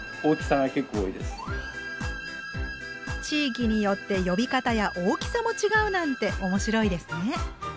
地域によって呼び方や大きさも違うなんて面白いですね。